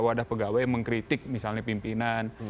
wadah pegawai mengkritik misalnya pimpinan